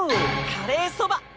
カレーそば。